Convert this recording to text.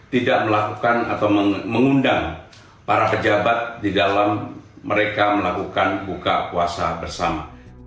tidak melakukan atau mengundang para pejabat di dalam mereka melakukan buka puasa bersama